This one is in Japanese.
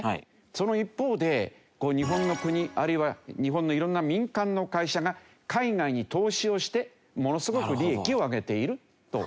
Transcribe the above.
その一方で日本の国あるいは日本の色んな民間の会社が海外に投資をしてものすごく利益を上げているという事なんだよね。